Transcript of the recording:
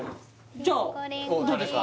じゃあどうですか？